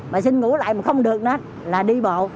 mà xin ngủ lại mà không được nữa là đi bộ